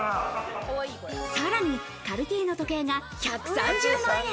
さらに、カルティエの時計が１３０万円。